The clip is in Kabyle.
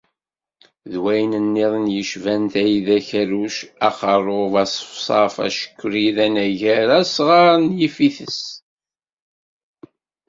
D wayen-nniḍen i yecban tayda, akerruc, axerrub, aṣefṣaf, acekrid anagar asɣar n yifites.